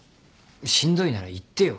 しんどいなら言ってよ。